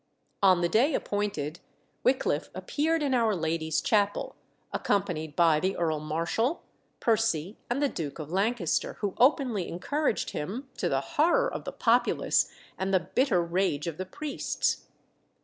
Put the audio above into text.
On the day appointed Wickliffe appeared in Our Lady's Chapel, accompanied by the Earl Marshall, Percy, and the Duke of Lancaster, who openly encouraged him, to the horror of the populace and the bitter rage of the priests.